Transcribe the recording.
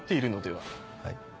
はい？